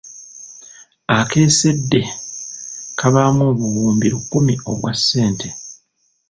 Akeesedde kabaamu obuwumbi lukumi obwa ssente.